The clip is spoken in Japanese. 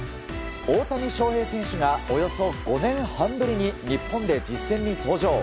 大谷翔平選手がおよそ５年半ぶりに日本で実戦に登場。